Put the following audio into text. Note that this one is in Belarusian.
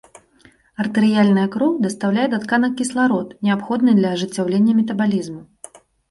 Артэрыяльная кроў дастаўляе да тканак кісларод, неабходны для ажыццяўлення метабалізму.